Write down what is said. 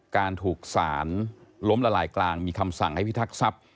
การถูกสารล้มละลายกลางมีคำสั่งให้พิทักษัพ